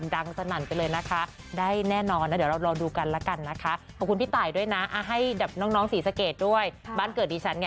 ส่งต่อไปน้องเองก็ได้ใช้ประโยชน์ด้วยเป็นอย่างไร